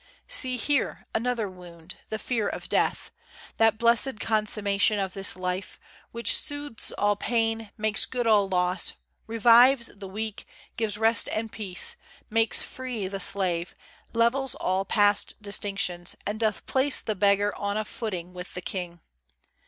See here: another wound The fear of Death That blesséd consummation of this life, Which soothes all pain, makes good all loss, revives The weak, gives rest and peace, makes free the slave, Levels all past distinctions, and doth place The beggar on a footing with the king.